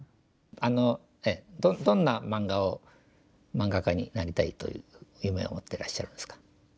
あのどんな漫画を漫画家になりたいという夢を持ってらっしゃるんですか？